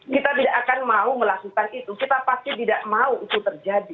kita tidak akan mau melakukan itu kita pasti tidak mau itu terjadi